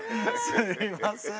すみません。